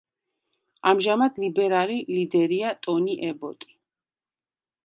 ამჟამად ლიბერალი ლიდერია ტონი ებოტი.